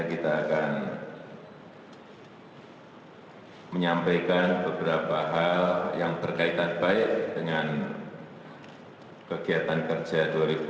kita akan menyampaikan beberapa hal yang berkaitan baik dengan kegiatan kerja dua ribu dua puluh